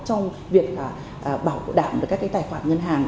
trong việc bảo đảm được các cái tài khoản ngân hàng